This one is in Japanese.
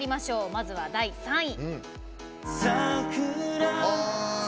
まずは第３位。